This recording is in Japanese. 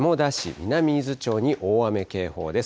南伊豆町に大雨警報です。